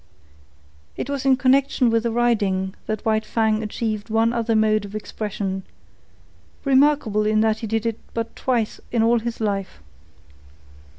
It was in connection with the riding, that White Fang achieved one other mode of expression—remarkable in that he did it but twice in all his life.